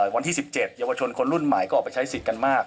วันที่๑๗เยาวชนคนรุ่นใหม่ก็ออกไปใช้สิทธิ์กันมาก